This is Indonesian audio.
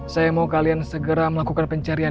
saya mau kalian segera melakukan pencarian